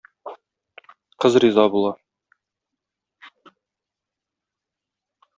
Кыз риза була.